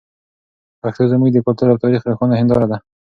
پښتو زموږ د کلتور او تاریخ روښانه هنداره ده.